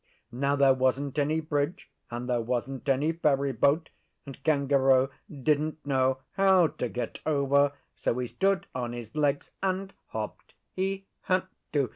Now, there wasn't any bridge, and there wasn't any ferry boat, and Kangaroo didn't know how to get over; so he stood on his legs and hopped. He had to!